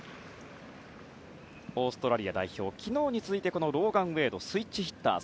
オーストラリア代表は昨日に続いてウェードはスイッチヒッター。